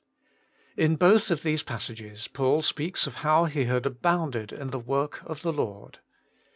IN both of these passages Paul speaks of how he had abounded in the work of the Lord.